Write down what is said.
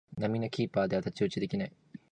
並みのキーパーでは太刀打ちできない